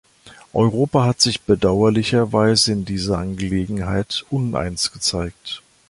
Europa hat sich bedauerlicherweise in dieser Angelegenheit uneins gezeigt.